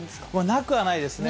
なくはないですね。